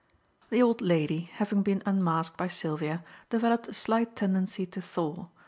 The old lady, having been unmasked by Sylvia, developed a slight tendency to thaw.